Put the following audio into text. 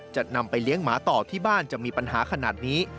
จะนำไปเลี้ยงหมาต่อที่บ้านจะมีปัญหาขนาดนี้